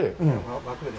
枠で。